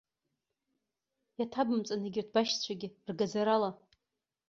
Иаҭабымҵан егьырҭ башьцәагьы, ргаӡарала.